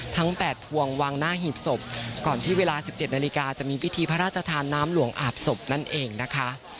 ทั้ง๘พวงวางหน้าหีบศพก่อนที่เวลา๑๗นาฬิกาจะมีพิธีพระราชทานน้ำหลวงอาบศพนั่นเองนะคะ